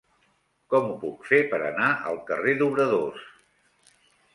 Com ho puc fer per anar al carrer d'Obradors?